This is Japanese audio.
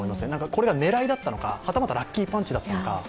これが狙いだったのか、はたまたラッキーパンチだったのか。